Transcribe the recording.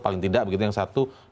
paling tidak begitu yang satu